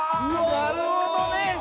なるほどね！